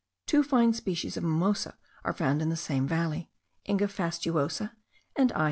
Two fine species of mimosa are found in the same valley; Inga fastuosa, and I.